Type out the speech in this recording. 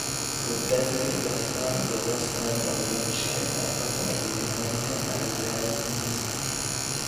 Fu Deputy Lieutenant del West Riding of Yorkshire ed appartenne politicamente ai Liberali-unionisti.